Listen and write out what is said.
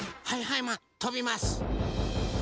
はい！